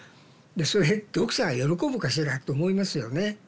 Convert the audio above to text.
それ読者が喜ぶかしらって思いますよね。